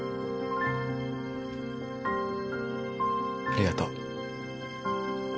ありがとう。